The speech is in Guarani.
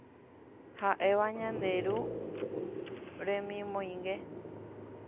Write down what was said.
ha'éva Ñande Ru remimoĩngue